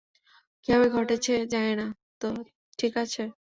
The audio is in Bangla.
কীভাবে ঘটেছে জানি না তা, ঠিক আছে?